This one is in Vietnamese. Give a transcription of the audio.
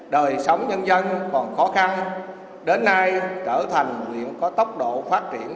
đời sống nhân dân còn khó khăn đến nay trở thành huyện có tốc độ phát triển